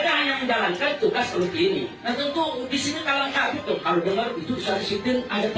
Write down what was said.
karena ada orang di situ yang ingin menghancurkan kita